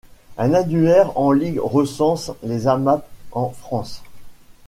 Un annuaire en ligne recense les Amap en France.